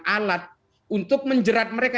alat untuk menjerat mereka